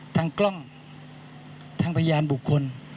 ทางกล้องทางพยานบุคคล